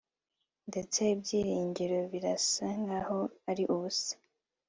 ndetse ibyiringiro birasa nkaho ari ubusa